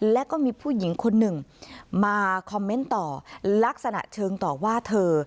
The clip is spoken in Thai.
แล้วก็มีผู้หญิงคนหนึ่งมาคอมเมนต์ต่อลักษณะเชิงต่อว่าเธอ